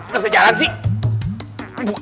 gak usah jalan sih